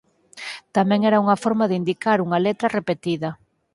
Tamén era unha forma de indicar unha letra repetida.